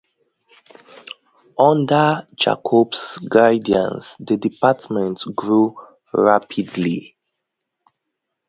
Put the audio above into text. Under Jakob's guidance the department grew rapidly.